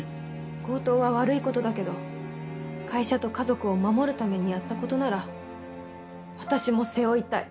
強盗は悪い事だけど会社と家族を守るためにやった事なら私も背負いたい。